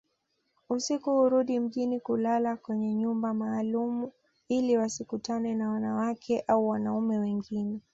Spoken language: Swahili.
Usiku hurudi mjini kulala kwenye nyumba maalumu ili wasikutane na wanawake au wanaume wengine